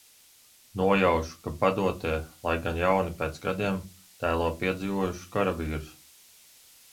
Nojaušu, ka padotie, lai gan jauni pēc gadiem, tēlo piedzīvojušus karavīrus.